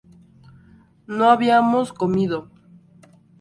¿no habíamos comido?